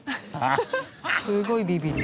すごいビビリ。